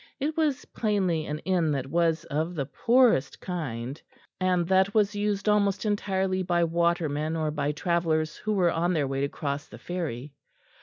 It was plainly an inn that was of the poorest kind, and that was used almost entirely by watermen or by travellers who were on their way to cross the ferry.